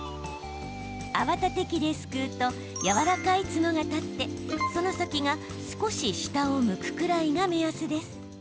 泡立て器ですくうとやわらかい角が立ってその先が少し下を向くくらいが目安です。